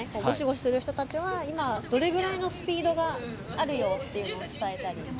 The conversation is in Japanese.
ごしごしする人たちは今どれぐらいのスピードがあるよっていうのを伝えたり。